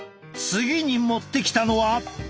次に持ってきたのは。